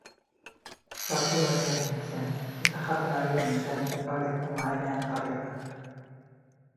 Sartu berria nintzen, eta jaten ari nintzen sukaldeko mahaian jarrita.